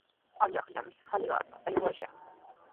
Allaqllami hallqapa aywashaq.